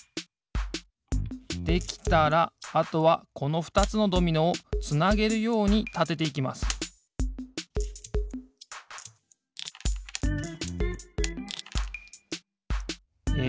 できたらあとはこのふたつのドミノをつなげるようにたてていきますえ